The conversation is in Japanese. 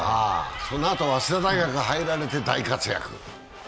そのあと早稲田大学入られて大活躍。